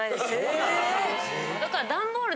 だから。